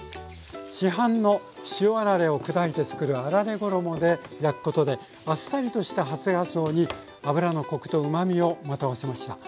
市販の塩あられを砕いて作るあられ衣で焼くことであっさりとした初がつおに油のコクとうまみをまとわせました。